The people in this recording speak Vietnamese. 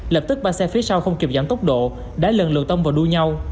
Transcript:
lập tức ba xe phía sau không kịp dẫn tốc độ đã lần lượt tông vào đua nhau